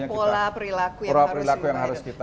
yang pola perilaku yang harus kita